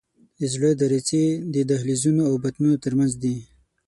د زړه دریڅې د دهلیزونو او بطنونو تر منځ دي.